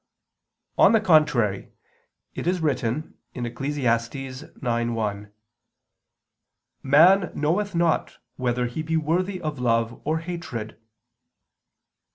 On the contrary, It is written (Eccles. 9:1): "Man knoweth not whether he be worthy of love or hatred."